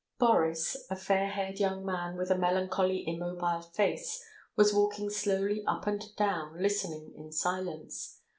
Boris, a fair haired young man with a melancholy immobile face, was walking slowly up and down, listening in silence.